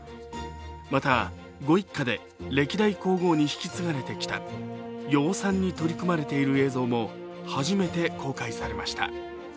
またご一家で、歴代皇后に引き継がれてきた養蚕に取り組まれている映像も初めて公開されました。